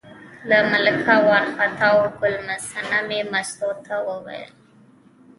له ملکه وار خطا و، ګل صنمې مستو ته وویل.